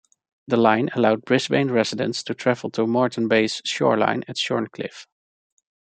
The line allowed Brisbane residents to travel to Moreton Bay's shoreline at Shorncliffe.